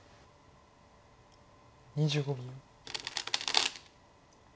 ２５秒。